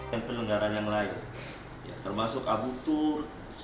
dan penyelenggara yang lain termasuk abu tur